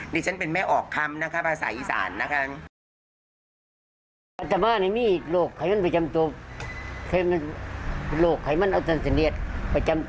ดิฉันเป็นแม่ออกคำนะคะภาษาอีสานนะคะ